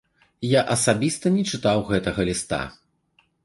Я асабіста не чытаў гэтага ліста.